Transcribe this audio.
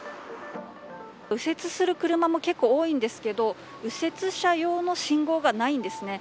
右折する車も結構多いんですけど右折車用の信号がないんですね。